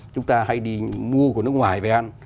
chúng ta hay đi mua của nước ngoài về ăn